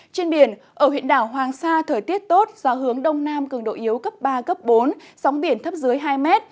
trên biển ở huyện đảo hoàng sa thời tiết tốt gió hướng đông nam cường độ yếu cấp ba cấp bốn sóng biển thấp dưới hai m